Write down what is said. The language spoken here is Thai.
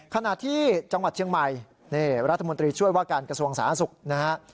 ขณะที่จังหวัดเชียงใหม่นี่รัฐมนตรีช่วยว่าการกระทรวงสาธารณสุขนะฮะ